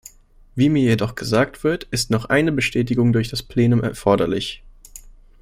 Wie mir jedoch gesagt wird, ist noch eine Bestätigung durch das Plenum erforderlich.